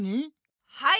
はい。